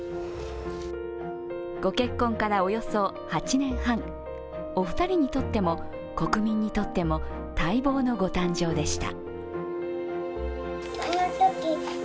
ご結婚からおよそ８年半、お二人にとっても国民にとっても待望のご誕生でした。